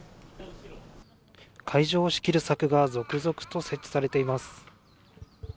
会場を仕切る柵が続々と設置されています。